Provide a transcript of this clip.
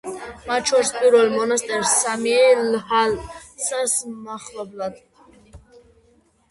მათ შორის, პირველი მონასტერი სამიე ლჰასას მახლობლად.